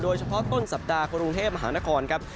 โดยเฉพาะต้นสัปดาห์กรุงเทพมหานครครับ